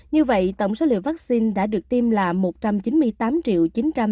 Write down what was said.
như vậy tổng số liều vaccine đã được tiêm là một trăm chín mươi tám chín trăm linh bốn tám trăm năm mươi liều